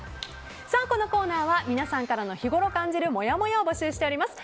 このコーナーは皆さんからの日ごろ感じるもやもやを募集しております。